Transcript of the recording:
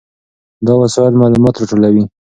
دا وسایل معلومات راټولوي.